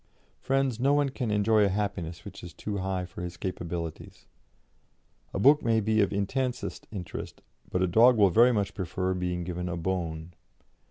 Friends, no one can enjoy a happiness which is too high for his capabilities; a book may be of intensest interest, but a dog will very much prefer being given a bone.